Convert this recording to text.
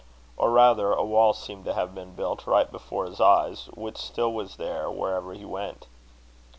Or rather a wall seemed to have been built right before his eyes, which still was there wherever he went.